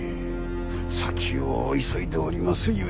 先を急いでおりますゆえ。